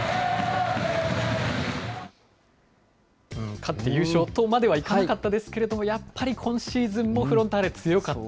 勝って優勝とまではいかなかったですけれども、やっぱり今シーズンもフロンターレ強かった。